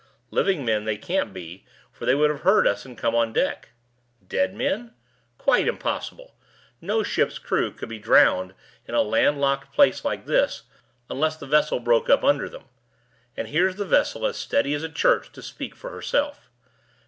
Living men they can't be; for they would have heard us and come on deck. Dead men? Quite impossible! No ship's crew could be drowned in a land locked place like this, unless the vessel broke up under them and here's the vessel as steady as a church to speak for herself.